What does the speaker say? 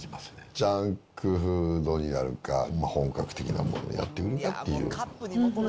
ジャンクフードになるか、本格的なものになってくるのかっていう。